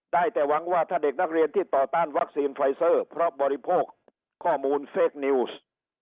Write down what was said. ได้แต่หวังว่าถ้าเด็กนักเรียนที่ต่อต้านวัคซีนไฟเซอร์เพราะบริโภคข้อมูลเฟคนิวส์